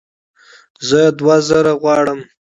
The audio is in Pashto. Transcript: زه دوه زره غواړم